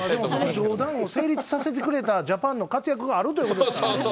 でも冗談を成立させてくれたジャパンの活躍があるということ